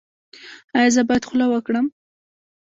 ایا زه باید خوله وکړم؟